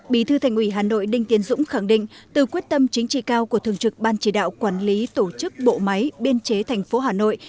bí thư thành ủy hà nội đinh tiến dũng khẳng định từ quyết tâm chính trị cao của thường trực ban chỉ đạo quản lý tổ chức bộ máy biên chế thành phố hà nội